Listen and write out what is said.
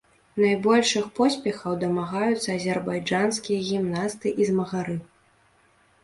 Найбольшых поспехаў дамагаюцца азербайджанскія гімнасты і змагары.